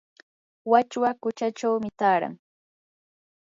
wachwa quchachawmi taaran.